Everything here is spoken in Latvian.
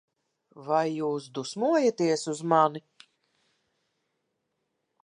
Vai jūs dusmojaties uz mani?